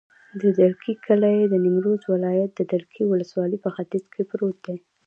د دلکي کلی د نیمروز ولایت، دلکي ولسوالي په ختیځ کې پروت دی.